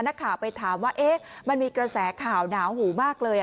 นักข่าวไปถามว่ามันมีกระแสข่าวหนาวหูมากเลย